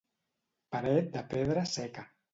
Paret de pedra seca.